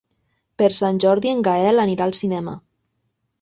Per Sant Jordi en Gaël anirà al cinema.